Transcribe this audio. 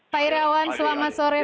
pak iryawan selamat sore